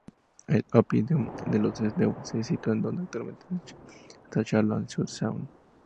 El "oppidum" de los eduos se sitúa donde actualmente esta Chalon-sur-Saône.